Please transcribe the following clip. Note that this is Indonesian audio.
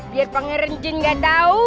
biar pangailan jin nggak tahu